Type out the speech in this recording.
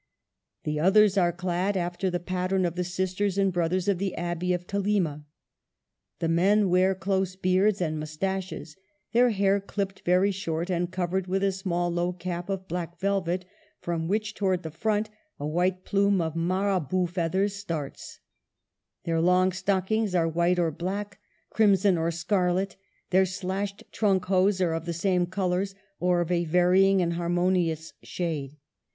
The others are clad after the pat tern of the sisters and brothers of the Abbey of Thelema. The men wear close beards and mous taches, their hair clipped very short, and cov ered with a small low cap of black velvet, from which, towards the front, a white plume of Mara bout feathers starts. Their long stockings are white or black, crimson or scarlet ; their slashed trunk hose are of the same colors or of a vary ing and harmonious shade.